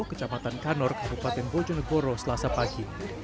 kecamatan kanor kabupaten bojonegoro selasa pagi